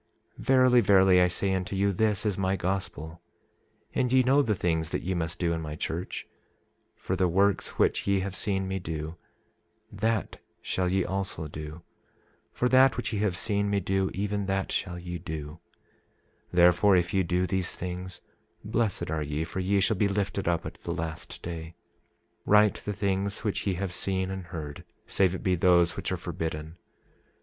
27:21 Verily, verily, I say unto you, this is my gospel; and ye know the things that ye must do in my church; for the works which ye have seen me do that shall ye also do; for that which ye have seen me do even that shall ye do; 27:22 Therefore, if ye do these things blessed are ye, for ye shall be lifted up at the last day. 27:23 Write the things which ye have seen and heard, save it be those which are forbidden.